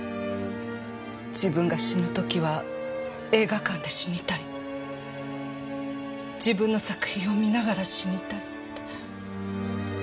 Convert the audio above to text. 「自分が死ぬ時は映画館で死にたい」「自分の作品を観ながら死にたい」って。